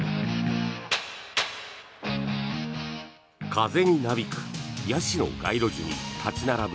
風になびくヤシの街路樹に立ち並ぶ